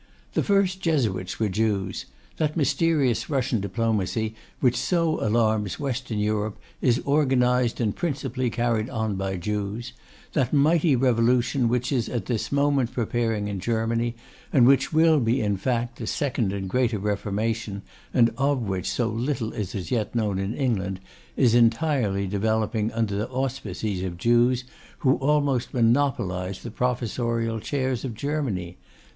The first Jesuits were Jews; that mysterious Russian Diplomacy which so alarms Western Europe is organised and principally carried on by Jews; that mighty revolution which is at this moment preparing in Germany, and which will be, in fact, a second and greater Reformation, and of which so little is as yet known in England, is entirely developing under the auspices of Jews, who almost monopolise the professorial chairs of Germany.